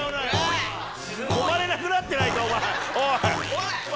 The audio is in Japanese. おい！